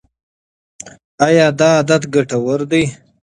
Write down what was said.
ایا دا عادت ګټور دی؟